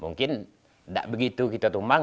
mungkin tidak begitu kita tumbang